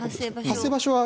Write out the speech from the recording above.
発生場所は。